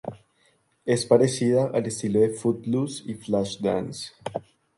Es parecida al estilo de "Footloose" y "Flashdance".